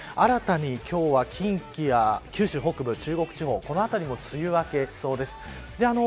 その他、今日は晴れて新たに今日は近畿や九州北部、中国地方この辺りも梅雨明けしそうです。